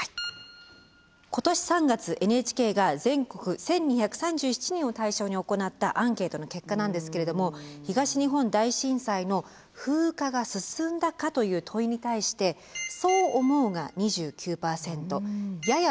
今年３月ＮＨＫが全国１，２３７人を対象に行ったアンケートの結果なんですけれども「東日本大震災の風化が進んだか」という問いに対して「そう思う」が２９％「やや